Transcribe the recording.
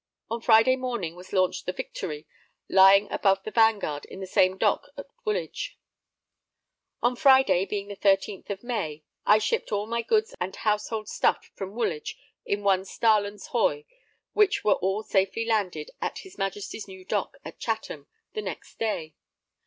On Friday morning was launched the Victory, lying above the Vanguard in the same dock [at] Woolwich. On Friday, being the 13th of May, I shipped all my goods and household stuff from Woolwich in one Starland's hoy, which were all safely landed at his Majesty's new dock [at] Chatham the next day.